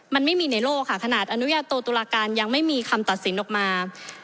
มันไม่มีในโลกค่ะขนาดอนุญาโตตุลาการยังไม่มีคำตัดสินออกมา